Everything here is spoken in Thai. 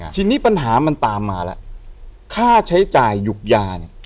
ทีนี้ปัญหามันตามมาแล้วค่าใช้จ่ายหยุกยาเนี่ย